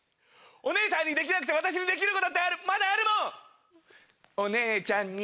お姉さんにできなくて私にできることまだあるもん！